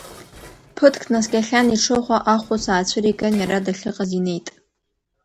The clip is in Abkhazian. Ԥыҭк днаскьахьан иҽыхәа ахәыц аацәыриган, иара дахьыҟаз инеит.